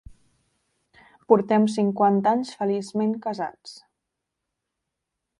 Portem cinquanta anys feliçment casats.